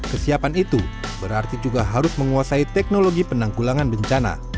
kesiapan itu berarti juga harus menguasai teknologi penanggulangan bencana